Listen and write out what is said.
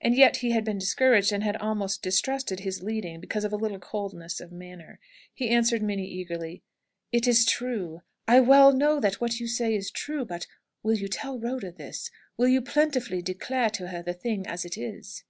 And yet he had been discouraged, and had almost distrusted his "leading," because of a little coldness of manner. He answered Minnie eagerly: "It is true! I well know that what you say is true; but will you tell Rhoda this? Will you plentifully declare to her the thing as it is?"